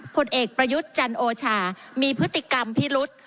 ผลเอกประยุทธ์จันโอชามีพฤติกรรมพิรุษ